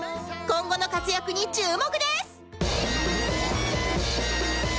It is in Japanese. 今後の活躍に注目です！